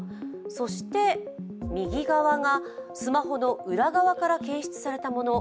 そして、右側がスマホの裏側から検出されたもの。